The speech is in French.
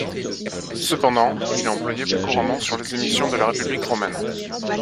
Cependant, il est employé plus couramment sur les émissions de la République romaine.